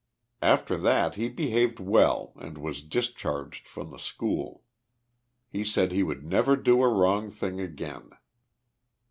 After that he behaved well and was discharged from the school. He said he would never do a wrong thing again.